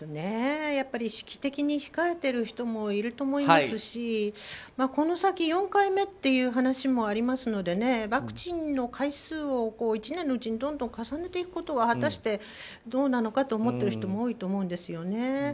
意識的に控えてる人もいると思いますしこの先４回目という話もありますのでワクチンの回数を１年のうちに重ねていくことが果たしてどうなのかと思ってる人も多いと思うんですよね。